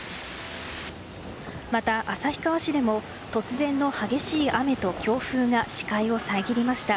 また、旭川市でも突然の激しい雨と強風が視界を遮りました。